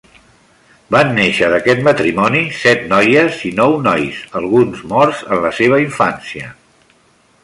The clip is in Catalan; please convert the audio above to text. Van néixer d'aquest matrimoni set noies i nou nois, alguns morts en la seva infància.